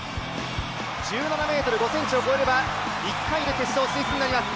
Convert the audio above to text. １７ｍ５ｃｍを越えれば１回で決勝進出となります。